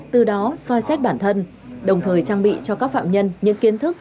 từ đó soi xét bản thân đồng thời trang bị cho các phạm nhân những kiến thức